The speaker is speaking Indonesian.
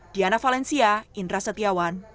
diana valencia indra setiawan